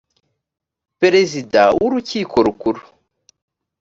perezida w urukiko rukuru